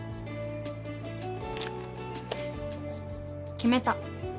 決めた。